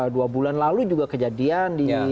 dua bulan lalu juga kejadian di